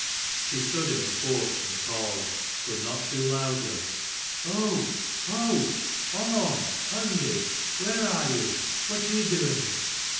She stood in the porch and called, but 7 hot too loudly, " Ho ! Orm ! Hundi ! where are you? what are you doing?"